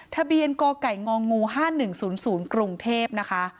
ทะเบียนกไก่ง๕๑๐๐กรุงเทพนะคะ